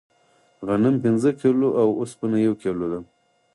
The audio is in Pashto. غنم پنځه کیلو او اوسپنه یو کیلو ده.